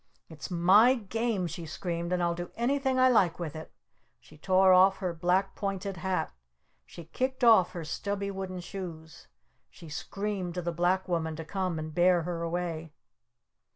"It's my Game!" she screamed. "And I'll do anything I like with it!" She tore off her black pointed hat! She kicked off her stubby wooden shoes! She screamed to the Black Woman to come and bear her away!